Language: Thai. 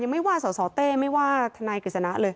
ไม่ว่าสสเต้ไม่ว่าทนายกฤษณะเลย